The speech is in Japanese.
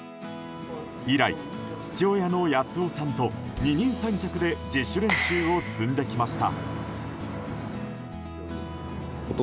以来、父親の安雄さんと二人三脚で自主練習を積んできました。